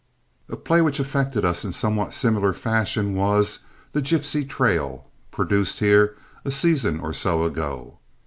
A play which affected us in somewhat similar fashion was The Gipsy Trail, produced here a season or so ago.